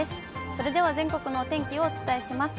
それでは、全国のお天気をお伝えします。